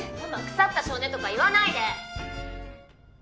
腐った性根とか言わないで！」